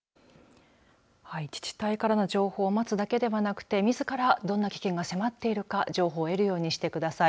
自治体からの情報を待つだけではなくてみずからどんな危険が迫っているか情報を得るようにしてください。